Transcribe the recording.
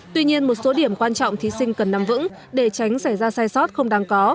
tuy nhiên một số điểm quan trọng thí sinh cần nắm vững để tránh xảy ra sai sót không đáng có